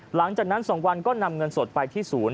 หลังจากนั้น๒วันก็นำเงินสดไปที่ศูนย์